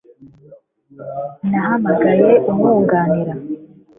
Nahamagaye umwunganira